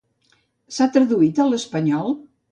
S'ha traduït a l'espanyol?